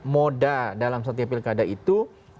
moda dalam setiap pilkada itu